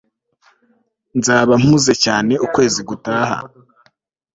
nzaba mpuze cyane ukwezi gutaha